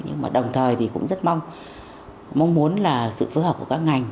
nhưng mà đồng thời cũng rất mong muốn sự phối hợp của các ngành